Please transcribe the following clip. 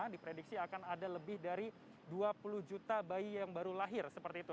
diprediksi akan ada lebih dari dua puluh juta bayi yang baru lahir seperti itu